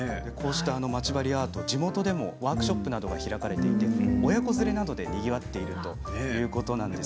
まち針アート、地元でもワークショップなどが開かれていて親子連れなどでにぎわっているということなんです。